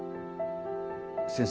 先生